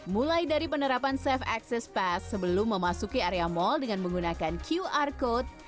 mulai dari penerapan safe access pass sebelum memasuki area mal dengan menggunakan qr code